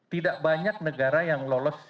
tidak banyak negara yang lolos